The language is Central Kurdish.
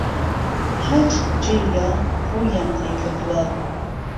ههچ جێیه ڕوویان تیێ کردووه